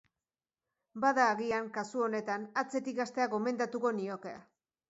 Bada, agian, kasu honetan, atzetik hastea gomendatuko nioke.